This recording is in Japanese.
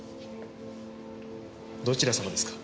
どちら様ですか？